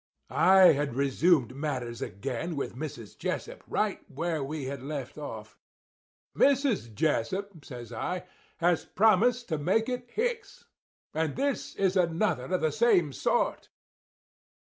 "I had resumed matters again with Mrs. Jessup right where we had left off. "'Mrs. Jessup,' says I, 'has promised to make it Hicks. And this is another of the same sort.